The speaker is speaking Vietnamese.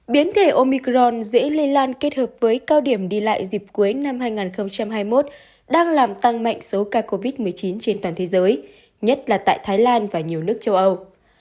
biến thể omicron dễ lây lan kết hợp với cao điểm đi lại dịp cuối năm hai nghìn hai mươi một đang làm tăng mạnh số ca covid một mươi chín trên toàn thế giới nhất là tại thái lan và nhiều nước châu âu